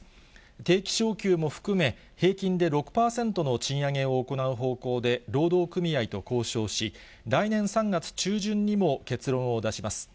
定期昇給も含め、平均で６％の賃上げを行う方向で労働組合と交渉し、来年３月中旬にも結論を出します。